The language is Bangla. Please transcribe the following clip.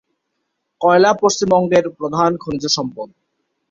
কয়লা পশ্চিমবঙ্গের প্রধান খনিজ সম্পদ।